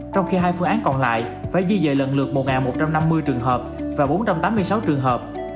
trong khi hai phương án còn lại phải di dời lần lượt một một trăm năm mươi trường hợp và bốn trăm tám mươi sáu trường hợp